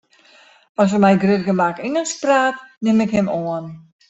As er mei grut gemak Ingelsk praat, nim ik him oan.